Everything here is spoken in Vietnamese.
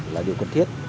là điều cần thiết